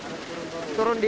harus turun dulu